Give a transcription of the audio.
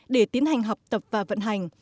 để tiến hành học tập và vận hành